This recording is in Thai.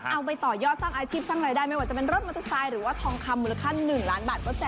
เอาไปต่อยอดสร้างอาชีพสร้างรายได้ไม่ว่าจะเป็นรถมอเตอร์ไซค์หรือว่าทองคำมูลค่า๑ล้านบาท